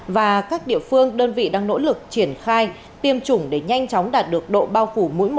và các địa phương đơn vị đang nỗ lực triển khai tiêm chủng để nhanh chóng đạt được độ bao phủ mỗi một